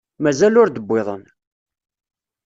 Mazal ur d-wwiḍen.